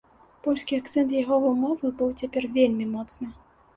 Польскі акцэнт яго вымовы быў цяпер вельмі моцны.